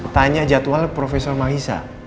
tanya jadwal profesor maisa